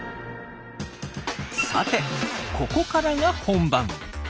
さてここからが本番。